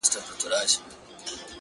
په دغه خپل وطن كي خپل ورورك ـ